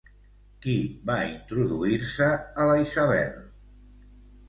Qui va introduir-se a la Isabel?